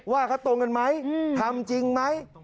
ว่าเขาตรงกันไหมทำจริงไหม